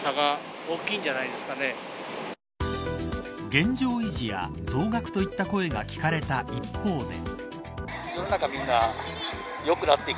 現状維持や増額といった声が聞かれた一方で。